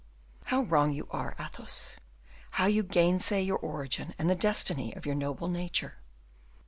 "How wrong you are, Athos; how you gainsay your origin and the destiny of your noble nature.